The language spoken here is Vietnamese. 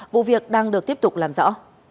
vụ việc đang được tiếp tục làm rõ